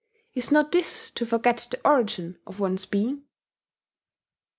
Is not this to forget the origin of one's being?"